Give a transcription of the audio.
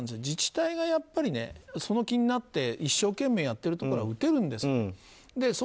自治体が、その気になって一生懸命にやっているところは打てるんですよ。